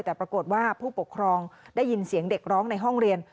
แต่ปรากฏว่าผู้ปกครองได้ยินเสียงเด็กร้องในห้องเรียน